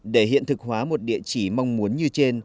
để hiện thực hóa một địa chỉ mong muốn như trên